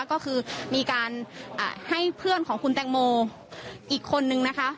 ก็คือมีการให้เพื่อนของคุณแตงโมอีกคนนึงนะคะ